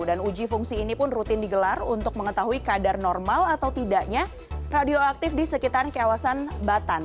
dan uji fungsi ini pun rutin digelar untuk mengetahui kadar normal atau tidaknya radioaktif di sekitar kawasan batan